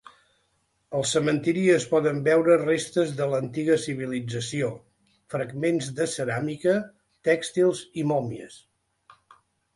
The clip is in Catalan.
Al cementiri es poden veure restes de l'antiga civilització, fragments de ceràmica, tèxtils i mòmies.